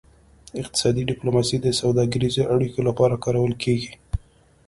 اقتصادي ډیپلوماسي د سوداګریزو اړیکو لپاره کارول کیږي